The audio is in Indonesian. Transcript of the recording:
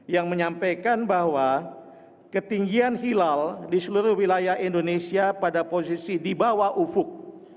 yang menyampaikan bahwa ketinggian hilal di seluruh wilayah indonesia pada posisi di bawah ufuk